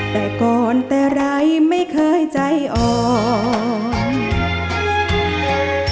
แต่ก่อนแต่ไรไม่เคยใจอ่อน